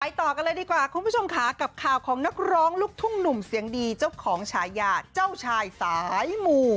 ต่อกันเลยดีกว่าคุณผู้ชมค่ะกับข่าวของนักร้องลูกทุ่งหนุ่มเสียงดีเจ้าของฉายาเจ้าชายสายหมู่